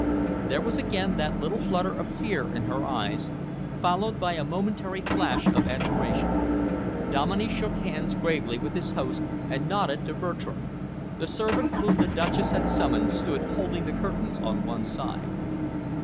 There was again that little flutter of fear in her eyes, followed by a momentary flash of admiration. Dominey shook hands gravely with his host and nodded to Bertram. The servant whom the Duchess had summoned stood holding the curtains on one side.